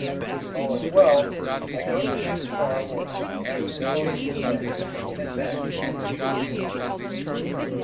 If all is well I go to the ship to morrow morning after the ponies have started, and then to Glacier Tongue.